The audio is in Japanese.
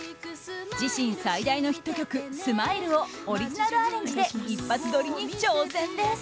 自身最大のヒット曲「スマイル」をオリジナルアレンジで一発撮りに挑戦です。